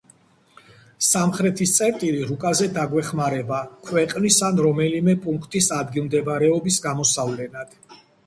სამხრეთის წერტილი რუკაზე დაგვეხმარება ქვეყნის ან რომელიმე პუნქტის ადგილმდებარეობის გამოსავლენად.